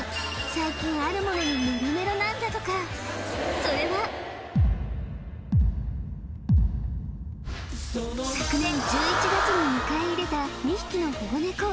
最近あるものにメロメロなんだとかそれは昨年１１月に迎え入れた２匹の保護ネコ